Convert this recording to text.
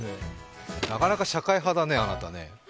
なかなか社会派だね、あなたね。